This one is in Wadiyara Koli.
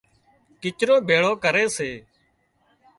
ڪچرو ڀيۯو ڪري سي